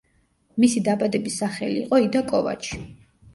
მისი დაბადების სახელი იყო იდა კოვაჩი.